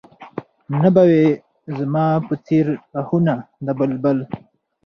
نه به وي زما په څېر اهونه د بلبل